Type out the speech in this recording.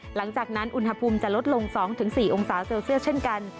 หลังจากนั้นอุณหภูมิจะลดลง๒๔องศาเซลเซียสเช่นกัน